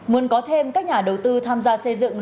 muốn có thêm các nhà đầu tư tham gia xây dựng